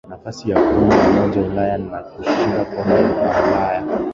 Nafasi ya kumi na moja Ulaya na kushinda kombe la Ulaya